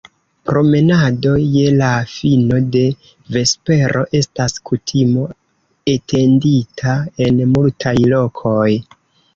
Promenado je la fino de vespero estas kutimo etendita en multaj lokoj.